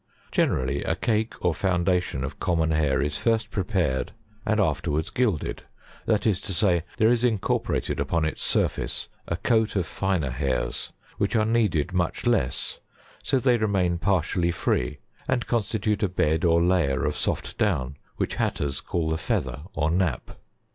Generally a cake or foundation of common hair is first prepared, and afterwards gilded; that is to say, there is incorporated upon its surface a coat of finer hairs, which are kneaded much less, so that they remain partially free, and constitute a bed or layer of soft down, which hatters call the feather or nap.